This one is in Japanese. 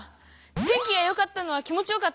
「天気がよかった」のは気もちよかった！